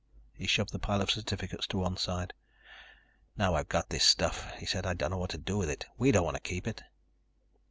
He shoved the pile of certificates to one side. "Now I've got this stuff," he said, "I don't know what to do with it. We don't want to keep it."